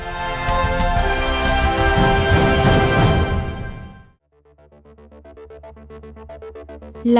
biến đổi khí hậu